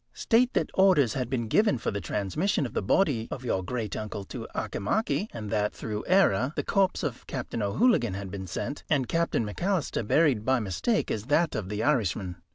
State that orders had been given for the transmission of the body of your great uncle to Auchimachie, and that, through error, the corpse of Captain O'Hooligan had been sent, and Captain McAlister buried by mistake as that of the Irishman.